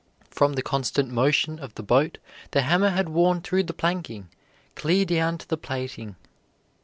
From the constant motion of the boat the hammer had worn through the planking, clear down to the plating.